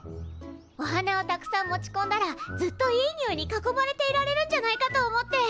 お花をたくさん持ちこんだらずっといいにおいに囲まれていられるんじゃないかと思って。